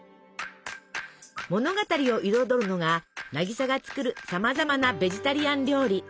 物語を彩るのが渚が作るさまざまなベジタリアン料理。